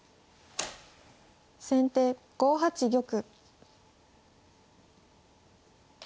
先手５八玉。